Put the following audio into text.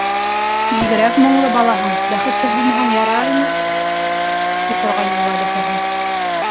«Бигерәк моңло балаһың, бәхетһеҙ булмаһаң ярай инде», -ти торғайны уға өләсәһе.